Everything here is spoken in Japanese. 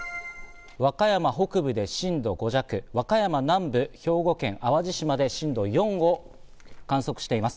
和歌山北部で震度５弱、和歌山南部、兵庫県淡路島で震度４を観測しています。